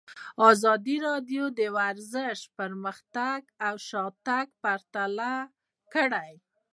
ازادي راډیو د ورزش پرمختګ او شاتګ پرتله کړی.